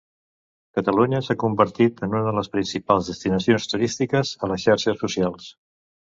Catalunya s'ha convertit en una de les principals destinacions turístiques a les xarxes socials.